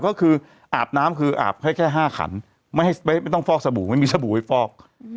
ก็คืออาบน้ำคืออาบให้แค่๕ขันไม่ต้องฟอกสบู่ไม่มีสบู่ไว้ฟอก